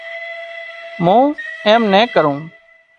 مون ايم نين ڪرون